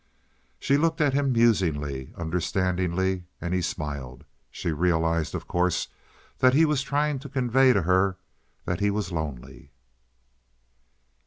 She looked at him musingly, understandingly, and he smiled. She realized, of course, that he was trying to convey to her that he was lonely.